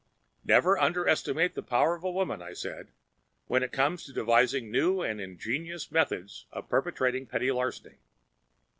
"Never underestimate the power of a woman," I said, "when it comes to devising new and ingenious methods of perpetrating petty larceny.